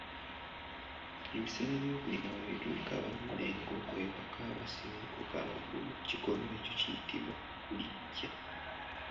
"Ebiseera by’okulima bwe bituuka, abalunda enkoko ewaka basiba enkoko amagulu, ekikolwa ekyo kiyitibwa kulijja."